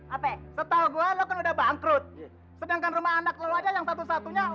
apa setau gua lo udah bangkrut sedangkan rumah anak lo aja yang satu satunya udah